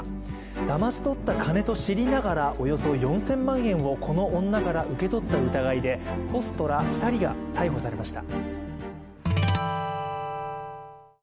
だまし取った金と知りながらおよそ４０００万円をこの女から受け取った疑いでホストら２人が逮捕されました。